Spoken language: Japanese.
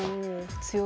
強い。